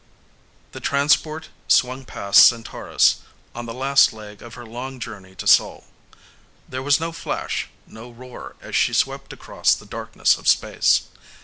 _ Illustrated by CONNELL The transport swung past Centaurus on the last leg of her long journey to Sol. There was no flash, no roar as she swept across the darkness of space.